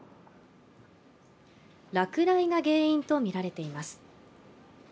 落雷が原因とみられています。